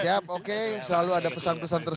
siap oke selalu ada pesan pesan terus